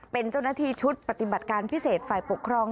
เป็นเจ้าหน้าที่ชุดปฏิบัติการพิเศษฝ่ายปกครอง